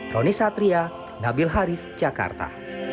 roni satria nabil haris jakarta